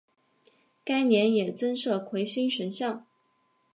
该年也增设魁星神像。